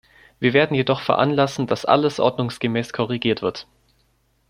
Wir werden jedoch veranlassen, dass alles ordnungsgemäß korrigiert wird.